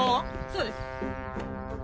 そうです。